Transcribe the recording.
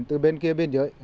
thịt lợn từ bên kia biên giới